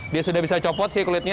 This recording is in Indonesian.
dia sudah bisa copot sih kulitnya